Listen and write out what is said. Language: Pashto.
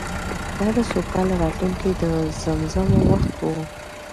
دا د سوکاله راتلونکې د زمزمو وخت و.